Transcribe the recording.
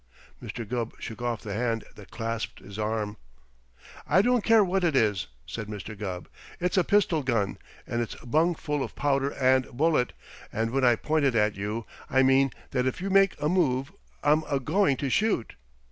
Mr. Gubb shook off the hand that clasped his arm. "I don't care what it is," said Mr. Gubb. "It's a pistol gun, and it's bung full of powder and bullet, and when I point it at you I mean that if you make a move I'm a going to shoot."